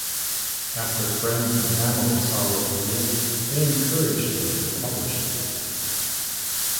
After friends and family saw what he did, they encouraged him to publish it.